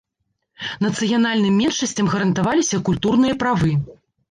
Нацыянальным меншасцям гарантаваліся культурныя правы.